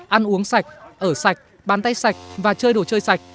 ăn uống sạch ở sạch bán tay sạch và chơi đồ chơi sạch